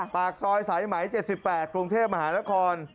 ปากซอยสายไหม๗๘กรุงเทพมหานคร